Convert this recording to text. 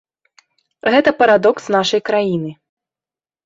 Гэта парадокс нашай краіны.